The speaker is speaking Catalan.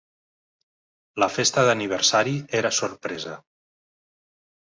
La festa d'aniversari era sorpresa.